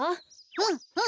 うんうん！